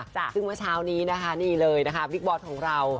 ซึ่งเมื่อเช้านี้นะคะนี่เลยนะคะบิ๊กบอสของเรา